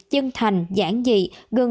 chân thành giảng dị gần